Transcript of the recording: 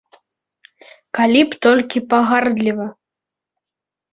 Калі б толькі пагардліва!